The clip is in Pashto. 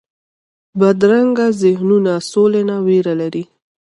بدرنګه ذهنونونه سولې نه ویره لري